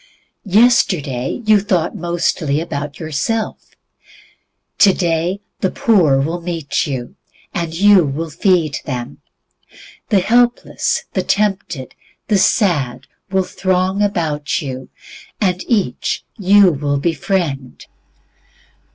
Yesterday you thought mostly about yourself. Today the poor will meet you, and you will feed them. The helpless, the tempted, the sad, will throng about you, and each you will befriend.